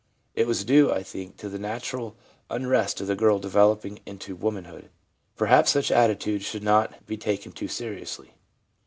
It was due, I think, to the natural unrest of the girl developing into womanhood. 1 Perhaps such attitudes should not be taken too seriously.